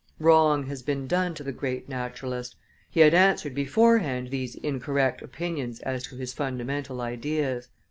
Wrong has been done the great naturalist; he had answered beforehand these incorrect opinions as to his fundamental ideas.